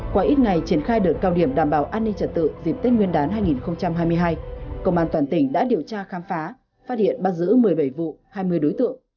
qua ít ngày triển khai đợt cao điểm đảm bảo an ninh trật tự dịp tết nguyên đán hai nghìn hai mươi hai công an toàn tỉnh đã điều tra khám phá phát hiện bắt giữ một mươi bảy vụ hai mươi đối tượng